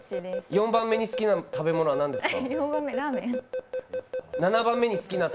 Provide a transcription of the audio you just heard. ７番目に好きな食べ物何ですか？